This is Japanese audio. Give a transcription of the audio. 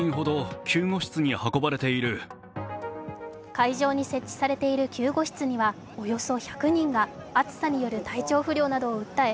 会場に設置されている救護室にはおよそ１００人が暑さによる体調不良などを訴え